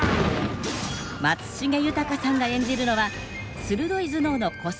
松重豊さんが演じるのは鋭い頭脳の古参